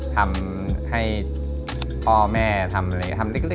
ทำให้พ่อแม่ทำอะไรอย่างนี้